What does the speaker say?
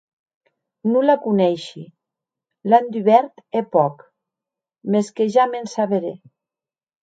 Non la coneishi; l’an dubèrt hè pòc; mès que ja m’en saberè.